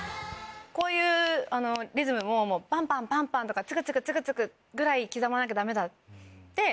こういうリズムもパンパンパンパンとかツクツクツクツクぐらい刻まなきゃダメだって。